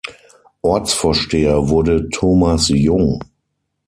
Ortsvorsteher wurde Thomas Jung.